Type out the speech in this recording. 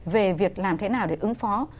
về việc làm thế nào để ứng phó